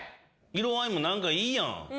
色合いもなんかいいやん。